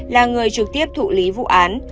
là người trực tiếp thụ lý vụ án